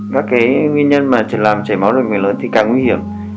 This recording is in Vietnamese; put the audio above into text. các nguyên nhân làm chảy máu động mạch lớn thì càng nguy hiểm